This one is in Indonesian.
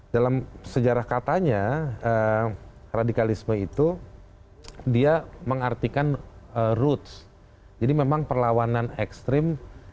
dalam sejarah katanya radikalisme itu dia mengartikan roots jadi memang perlawanan ekstrim